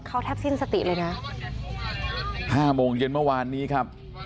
เขาแทบสิ้นสติเลยนะห้าโมงเย็นเมื่อวานนี้ครับ